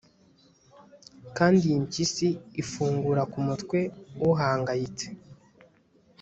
Kandi iyi mpyisi ifungura kumutwe uhangayitse